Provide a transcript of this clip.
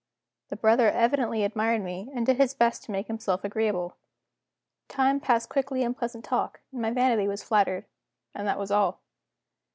The brother evidently admired me, and did his best to make himself agreeable. Time passed quickly in pleasant talk, and my vanity was flattered and that was all.